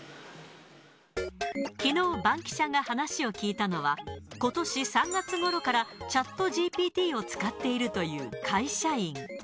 きのうバンキシャが話を聞いたのは、ことし３月ごろからチャットＧＰＴを使っているという会社員。